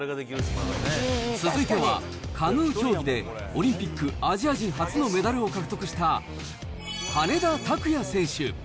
続いては、カヌー競技で、オリンピック、アジア人初のメダルを獲得した、羽根田卓也選手。